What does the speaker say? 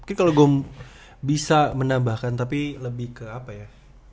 mungkin kalau gue bisa menambahkan tapi lebih ke apa ya